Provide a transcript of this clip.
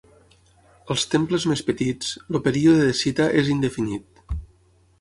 Als temples més petits, el període de cita és indefinit.